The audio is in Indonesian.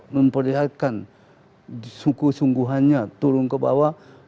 memperlihatkan suku sungguhannya turun ke bawah